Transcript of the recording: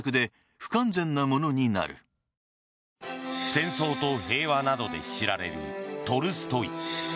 「戦争と平和」などで知られるトルストイ。